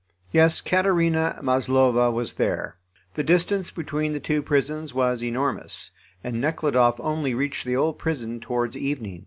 Yes, Katerina Maslova was there. The distance between the two prisons was enormous, and Nekhludoff only reached the old prison towards evening.